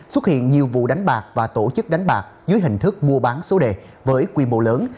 xuất hiện nhiều vụ đánh bạc và tổ chức đánh bạc dưới hình thức mua bán số đề với quy mô lớn